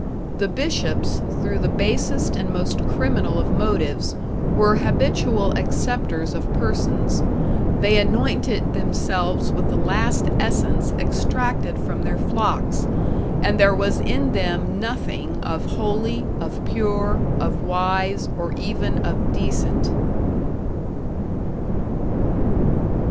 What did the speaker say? The bishops, through the basest and most criminal of motives, were habitual accepters of persons; they annointed themselves with the last essence extracted from their flocks, and there was in them nothing of holy, of pure, of wise, or even of decent.